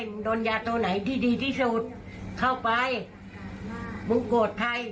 มึงโดนยาตัวไหนที่ดีที่สุดเข้าไปมึงโกรแตบวรรษใหม่